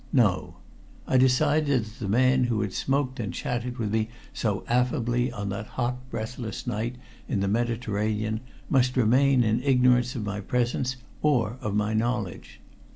No. I decided that the man who had smoked and chatted with me so affably on that hot, breathless night in the Mediterranean must remain in ignorance of my presence, or of my knowledge.